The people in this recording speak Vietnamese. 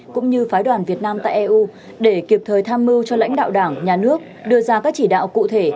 cũng như phái đoàn việt nam tại eu để kịp thời tham mưu cho lãnh đạo đảng nhà nước đưa ra các chỉ đạo cụ thể